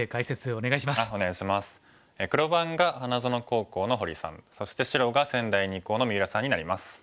黒番が花園高校の堀さんそして白が仙台二高の三浦さんになります。